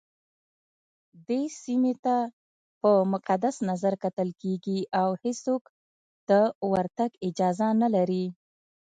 دې سيمي ته په مقدس نظرکتل کېږي اوهيڅوک دورتګ اجازه نه لري